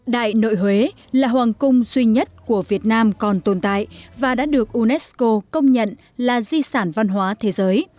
đại nội huế là hoàng cung duy nhất của việt nam còn tồn tại và đã được unesco công nhận là di sản văn hóa thế giới